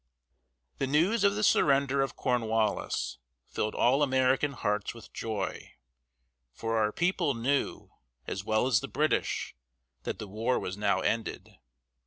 The news of the surrender of Cornwallis filled all American hearts with joy; for our people knew, as well as the British, that the war was now ended.